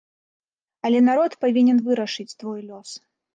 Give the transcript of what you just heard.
Але народ павінен вырашыць твой лёс.